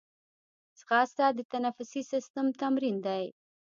ځغاسته د تنفسي سیستم تمرین دی